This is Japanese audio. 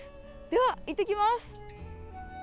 では行ってきます！